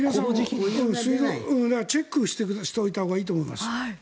チェックしておいたほうがいいと思います。